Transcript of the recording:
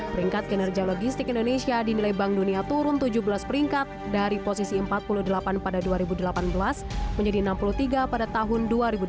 peringkat kinerja logistik indonesia dinilai bank dunia turun tujuh belas peringkat dari posisi empat puluh delapan pada dua ribu delapan belas menjadi enam puluh tiga pada tahun dua ribu delapan belas